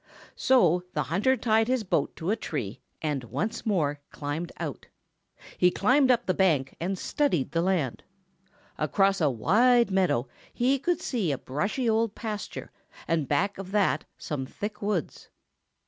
So the hunter tied his boat to a tree and once more climbed out. He climbed up the bank and studied the land. Across a wide meadow he could see a brushy old pasture and back of that some thick woods.